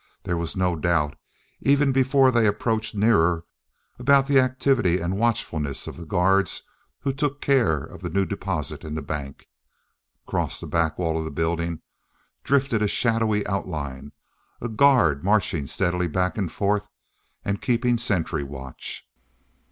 There was no doubt, even before they approached nearer, about the activity and watchfulness of the guards who took care of the new deposit in the bank. Across the back wall of the building drifted a shadowy outline a guard marching steadily back and forth and keeping sentry watch.